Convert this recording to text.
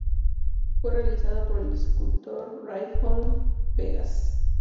Fue realizada por el escultor Reinhold Begas.